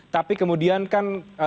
tapi kemudian kan